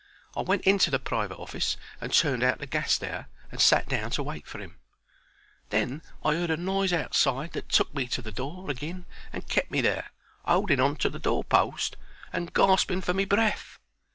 I went into the private office and turned out the gas there, and sat down to wait for 'im. Then I 'eard a noise outside that took me to the door agin and kept me there, 'olding on to the door post and gasping for my breath.